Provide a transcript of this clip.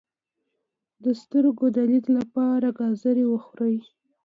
د سترګو د لید لپاره ګازرې وخورئ